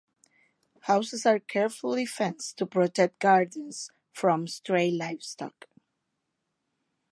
Houses are carefully fenced to protect gardens from stray livestock.